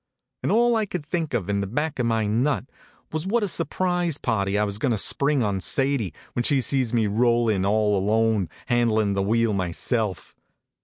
And all I could think of in the back of my nut was what a surprise party I was going to spring on Sadie when she sees me roll in all alone and han dlin the wheel myself.